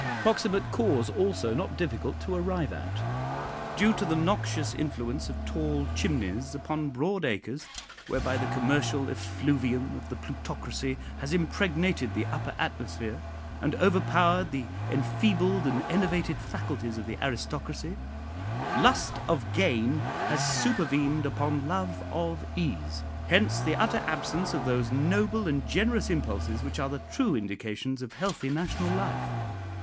Proximate cause also not difficult to arrive at. Due to the noxious influence of tall chimneys upon broad acres, whereby the commercial effluvium of the Plutocracy has impregnated the upper atmosphere, and overpowered the enfeebled and enervated faculties of the aristocracy; lust of gain has supervened upon love of ease. Hence the utter absence of those noble and generous impulses which are the true indications of healthy national life.